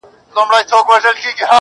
د ښکلا اندونه